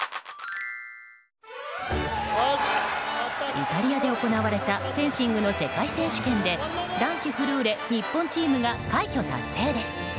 イタリアで行われたフェンシングの世界選手権で男子フルーレ日本チームが快挙達成です。